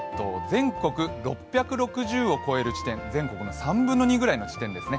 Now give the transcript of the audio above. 全国６６０を超える地点、全国の３分の２を超える地点ですね